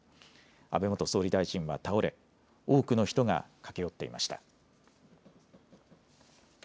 安倍元総理大臣は倒れ多くの人が駆け寄っていました。